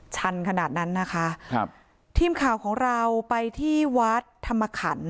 ชันขนาดนั้นนะคะครับทีมข่าวของเราไปที่วัดธรรมขัน